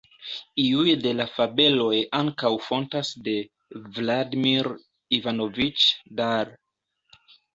Iuj de la fabeloj ankaŭ fontas de Vladimir Ivanoviĉ Dal.